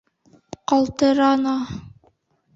Ҡалтырана.